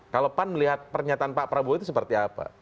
kalau pan melihat pernyataan pak prabowo itu seperti apa